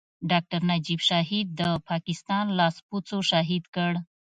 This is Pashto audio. ډاکټر نجيب شهيد د پاکستان لاسپوڅو شهيد کړ.